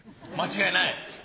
間違いない？